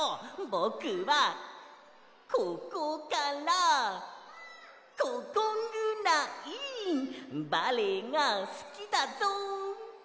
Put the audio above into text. ぼくはここからここぐらいバレエがすきだぞ！